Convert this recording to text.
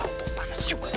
aduh panas juga ini